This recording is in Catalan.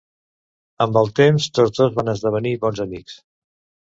Amb el temps tots dos van esdevenir bons amics.